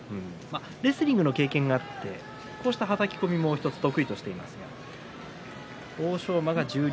レスリングの経験があってこういった、はたき込みも１つ得意としていますが欧勝馬、十両